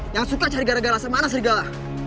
yang suka cari gara gara sama anak trigala